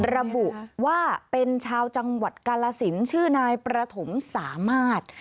ระบุว่าเป็นชาวจังหวัดกาลสินชื่อนายประถมสามารถ